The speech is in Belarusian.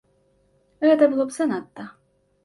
Гэта было б занадта.